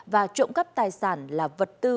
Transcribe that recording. và trộm cắp tài sản là vật tư